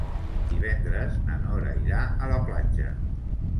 Divendres na Nora irà a la platja.